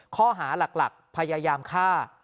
ข้อหาหลักพยายามฆ่า